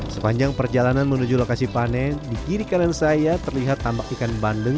sepanjang perjalanan menuju lokasi panen di kiri kanan saya terlihat tambak ikan bandeng